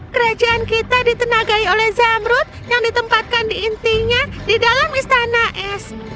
kerajaan kita ditenagai oleh zamrut yang ditempatkan di intinya di dalam istana s